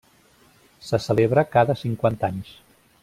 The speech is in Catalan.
Se celebra cada cinquanta anys.